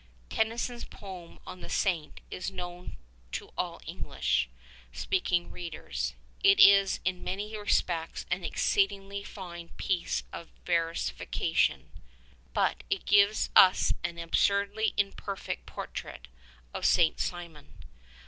Tennyson's poem on the Saint is known to all English speaking readers. It is in many respects an exceedingly fine piece of versification, but it gives us an absurdly imperfect portrait of St. Simeon.